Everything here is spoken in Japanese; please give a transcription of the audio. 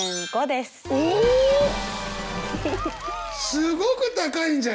すごく高いんじゃない？